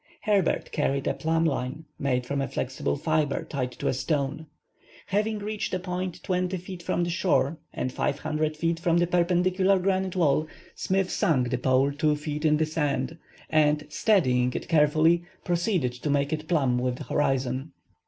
Herbert carried a plumb line made from a flexible fibre tied to a stone. Having reached a point 20 feet from the shore and 500 feet from the perpendicular granite wall, Smith sunk the pole two feet in the sand, and, steadying it carefully, proceeded to make it plumb with the horizon.